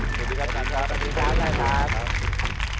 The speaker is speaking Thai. สวัสดีครับอาจารย์ค่ะสวัสดีครับอาจารย์ค่ะสวัสดีครับ